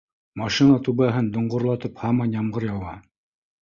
Машина түбәһен доңғорлатып һаман ямғыр яуа